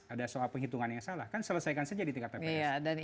ada soal penghitungan yang salah kan selesaikan saja di tingkat tps